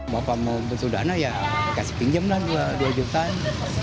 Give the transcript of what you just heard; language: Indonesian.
bapak mau butuh dana ya kasih pinjam lah dua jutaan